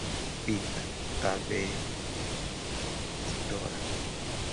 Bita Tapeba, Luze, Izidora